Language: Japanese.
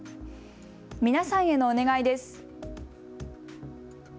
皆さんへのお願いです。